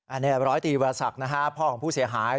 อันนี้ร้อยตีวรศักดิ์นะฮะพ่อของผู้เสียหาย